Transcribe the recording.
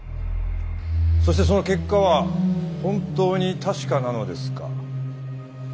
そしてその結果は本当に確かなのですか？